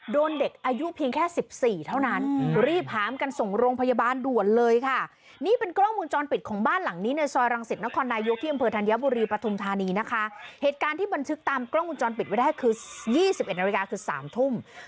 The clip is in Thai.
โดนเด็กอายุเพียงแค่สิบสี่เท่านั้นอืม